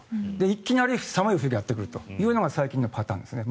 一気に寒い冬がやってくるというのが最近のパターンですね。